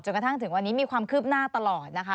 กระทั่งถึงวันนี้มีความคืบหน้าตลอดนะคะ